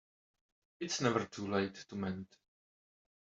It's never too late to mend